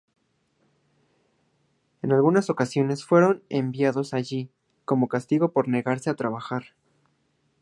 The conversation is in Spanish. En algunas ocasiones fueron enviados allí como castigo por negarse a trabajar.